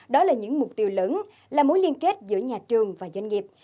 đó là những mục tiêu lớn là mối liên kết giữa nhà trường và doanh nghiệp